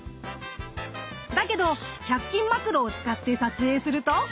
だけど１００均マクロを使って撮影すると。